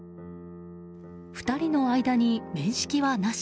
２人の間に面識はなし。